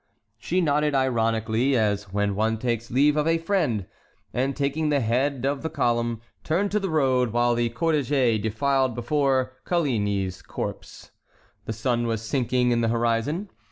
She nodded ironically as when one takes leave of a friend, and, taking the head of the column, turned to the road, while the cortège defiled before Coligny's corpse. The sun was sinking in the horizon.